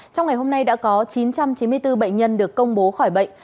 trong ngày hôm nay đã có chín trăm chín mươi bốn bệnh nhân được công bố khỏi bệnh